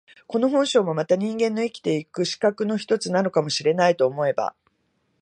この本性もまた人間の生きて行く資格の一つなのかも知れないと思えば、